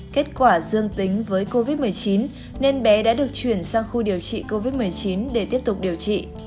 kết quả dương tính với covid một mươi chín nên bé đã được chuyển sang khu điều trị covid một mươi chín để tiếp tục điều trị